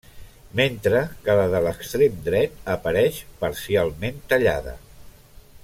Mentre que la de l'extrem dret apareix parcialment tallada.